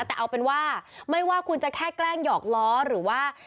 แต่เอาเป็นว่าไม่ว่าคุณจะแค่แกล้งหยอกล้อหรือว่า